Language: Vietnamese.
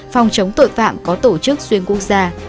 phòng chống tội phạm có tổ chức xuyên quốc gia